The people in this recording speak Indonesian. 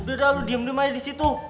udah lu diam dua aja disitu